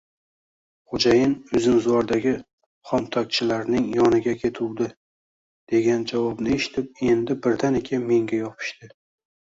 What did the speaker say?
Xo‘jayin uzumzordagi xomtokchilarning yoniga ketuvdi, degan javobni eshitib, endi birdaniga menga yopishdi: